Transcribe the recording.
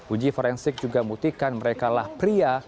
uji forensik juga membuktikan mereka adalah pria